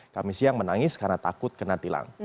kami siang menangis karena takut kena tilang